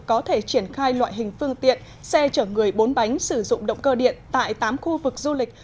có thể triển khai loại hình phương tiện xe chở người bốn bánh sử dụng động cơ điện tại tám khu vực du lịch